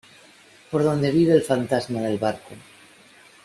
por donde vive el fantasma del barco.